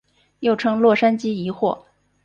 又称洛杉矶疑惑。